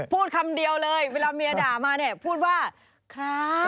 พูดคำเดียวเลยเวลาเมียด่ามาเนี่ยพูดว่าครับ